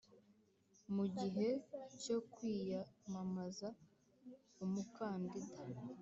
Mu gihe cyo kwiyamamaza umukandida